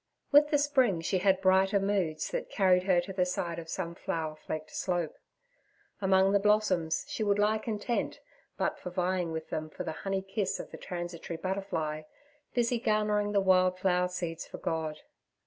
With the spring she had brighter moods that carried her to the side of some flower flecked slope. Among the blossoms she would lie content but for vying with them for the honey kiss of the transitory butterfly, busy garnering the wild flower seeds for God.